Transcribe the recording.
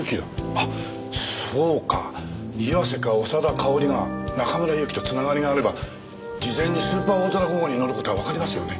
あっそうか岩瀬か長田かおりが中村祐樹と繋がりがあれば事前にスーパーおおぞら５号に乗る事はわかりますよね。